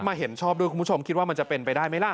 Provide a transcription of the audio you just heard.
เห็นชอบด้วยคุณผู้ชมคิดว่ามันจะเป็นไปได้ไหมล่ะ